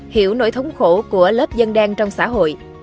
hiểu nỗi thống khổ của lớp dân đen trong xã hội